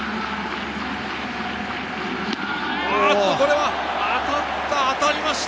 これは当たった！